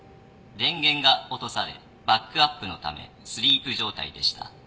電源が落とされバックアップのためスリープ状態でした。